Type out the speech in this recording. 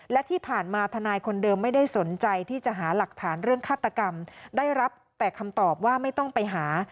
และที่ผ่านมาทนายคนเดิมไม่ได้สนใจที่จะหาหลักฐานเรื่องฆาตกรรมได้รับแต่คำตอบว่าไม่ต้องไปหา